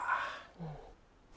うん。